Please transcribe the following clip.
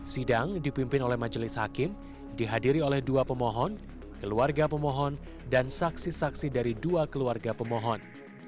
sidang dipimpin oleh majelis hakim dihadiri oleh dua pemohon keluarga pemohon dan saksi saksi dari dua keluarga pemohon